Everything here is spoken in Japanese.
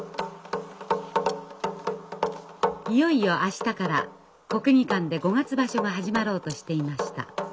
いよいよ明日から国技館で五月場所が始まろうとしていました。